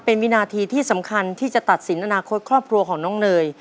เป็นวินาทีที่สำคัญที่จะตัดสินอนาคตครอบครัวของน้องเนย